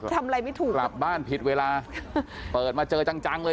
ทำอะไรไม่ถูกกลับบ้านผิดเวลาเปิดมาเจอจังจังเลย